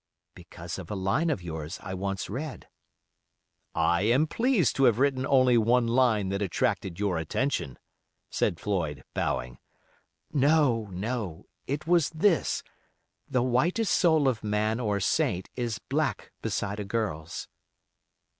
"Because of a line of yours I once read." "I am pleased to have written only one line that attracted your attention," said Floyd, bowing. "No, no—it was this—"The whitest soul of man or saint is black beside a girl's."